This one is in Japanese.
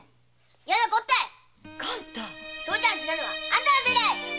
嫌なこったい父ちゃん死んだのはあんたのせいだい。